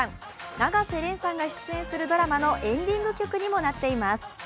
永瀬廉さんが出演するドラマのエンディング曲にもなっています。